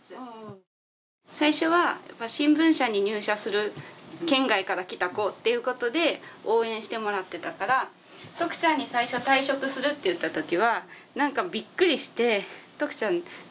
最初はやっぱ新聞社に入社する県外から来た子っていうことで応援してもらっていたからとくちゃんに最初退職するって言ったときはなんかびっくりしてとくちゃん「なんで？」って泣いて。